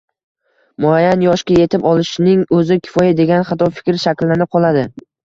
muayyan yoshga yetib olishning o‘zi kifoya, degan xato fikr shakllanib qoladi.